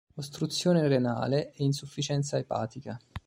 Ostruzione renale, e insufficienza epatica.